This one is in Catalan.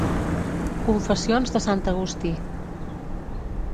Confessions de sant Agustí.